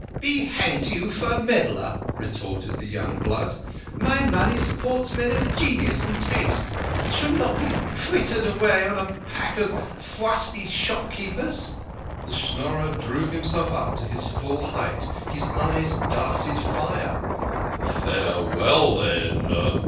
"Be hanged to you for a meddler," retorted the young blood. " My money supports men of genius and taste it shall not be frittered away on a pack of fusty shopkeepers." The Schnorrer drew himself up to his full height, his eyes darted fire. " Farewell, then